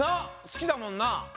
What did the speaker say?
好きだもんな？